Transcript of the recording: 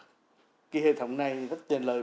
cái hệ thống này rất tiện lợi